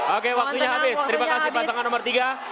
oke waktunya habis terima kasih pasangan nomor tiga